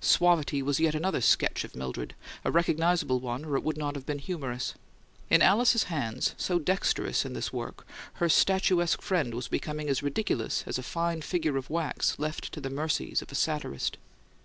"Suavity" was yet another sketch of Mildred; a recognizable one, or it would not have been humorous. In Alice's hands, so dexterous in this work, her statuesque friend was becoming as ridiculous as a fine figure of wax left to the mercies of a satirist.